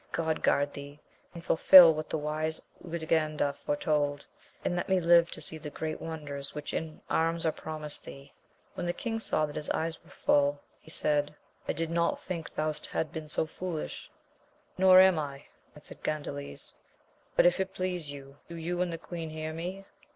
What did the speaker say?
God guard thee, and fulfil what the wise Urganda foretold, and let me live to see the great wonders which in arms are promised thee. When the king saw that his eyes were full, he said, I di4 x^o^ * For Dio8 18 the original affiroialvoxL. 22 AMADIS OF QAUL. think thou hadst been so foolish. Nor am I, answered Gandales, but if it please you, do you and the queen hear me.